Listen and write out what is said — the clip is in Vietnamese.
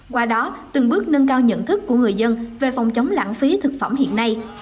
qua đó từng bước nâng cao nhận thức của người dân về phòng chống lãng phí thực phẩm hiện nay